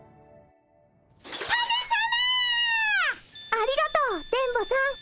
ありがとう電ボさん。